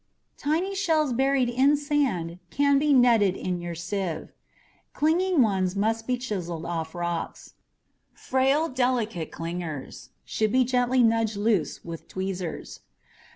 Tiny shells buried in sand can be netted in your sieve. Clinging ones must be chiseled off rocks. Frail, delicate clingers should be gently nudged loose with tweezers.